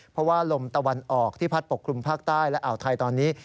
เพราะว่าลมตะวันออกที่พัดปกคลุมภาคใต้และอ่าวไทยตอนนี้